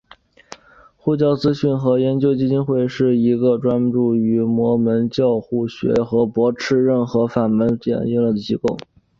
护教资讯和研究基金会是一个专注于摩门教护教学和驳斥任何反摩门教言论的机构。